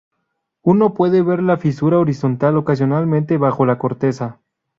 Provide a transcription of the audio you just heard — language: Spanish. Uno puede ver la fisura horizontal ocasionalmente bajo la corteza.